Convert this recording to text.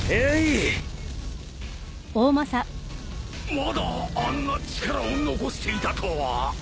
まだあんな力を残していたとは！